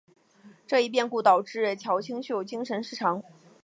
这一变故导致乔清秀精神失常。